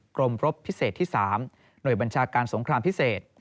กรมรบพิเศษที่๓หน่วยบัญชาการสงครามพิเศษ